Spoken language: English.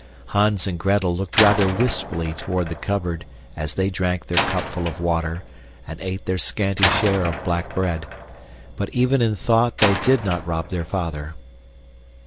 Hans and Gretel looked rather wistfully toward the cupboard as they drank their cupful of water and ate their scanty share of black bread; but even in thought they did not rob their father.